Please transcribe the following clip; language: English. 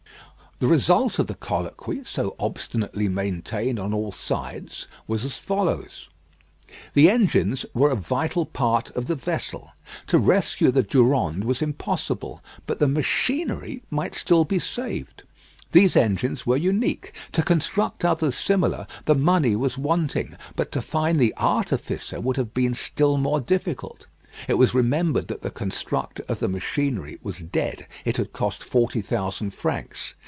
The result of the colloquy, so obstinately maintained on all sides, was as follows: The engines were the vital part of the vessel. To rescue the Durande was impossible; but the machinery might still be saved. These engines were unique. To construct others similar, the money was wanting; but to find the artificer would have been still more difficult. It was remembered that the constructor of the machinery was dead. It had cost forty thousand francs.